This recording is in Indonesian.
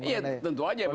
iya tentu aja